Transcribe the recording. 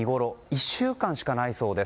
１週間しかないそうです。